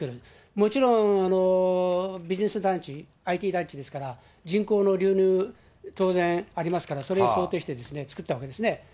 もちろん、ビジネス団地、ＩＴ団地ですから、人口の流入、当然ありますから、それに想定して作ったわけですね。